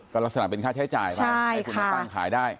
ก็ลักษณะเป็นค่าใช้จ่ายมาให้คุณมาตั้งขายได้